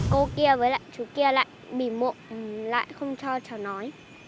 cô kia với lại chú kia lại bị mộ lại không cho cháu nói